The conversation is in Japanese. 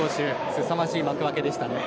すさまじい幕開けでしたね。